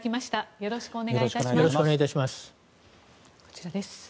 よろしくお願いします。